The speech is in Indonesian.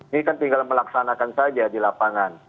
ini kan tinggal melaksanakan saja di lapangan